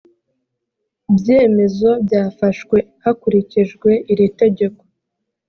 byemezo byafashwe hakurikijwe iri tegeko